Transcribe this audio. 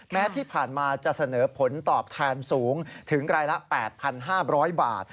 แม้ที่ผ่านมาจะเสนอผลตอบแทนสูงถึงรายละ๘๕๐๐บาท